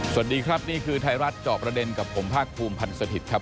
สวัสดีครับนี่คือไทยรัฐเจาะประเด็นกับผมภาคภูมิพันธ์สถิตย์ครับ